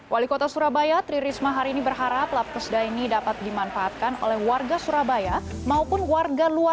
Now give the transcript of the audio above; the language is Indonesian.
wali kota surabaya tririsma hari ini berharap labkesda ini dapat dimanfaatkan oleh warga surabaya maupun warga luar